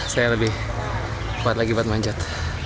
saya lebih kuat lagi buat manjat